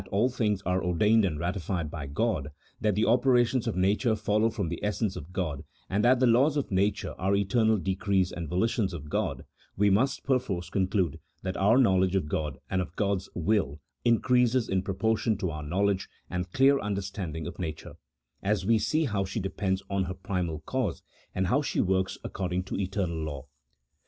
all things are ordained and ratified by God, that the opera tions of nature follow from the essence of God, and that the laws of nature are eternal decrees and volitions of God,, we must perforce conclude that our knowledge of God and of God's will increases in proportion to our knowledge and clear understanding of nature, as we see how she depends on her primal cause, and how she works according to eter nal law.